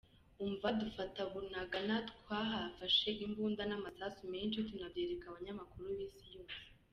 Umva dufata Bunagana, twahafashe imbunda n’amasasu menshi tunabyereka abanyamakuru b’isi yose.